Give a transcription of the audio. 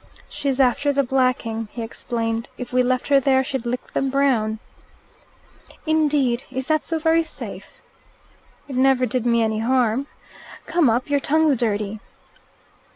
"She's after the blacking," he explained. "If we left her there, she'd lick them brown." "Indeed. Is that so very safe?" "It never did me any harm. Come up! Your tongue's dirty."